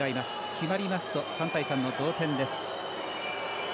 決まりますと、３対３の同点です。